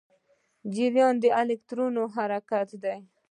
جریان د الکترونونو حرکت دی.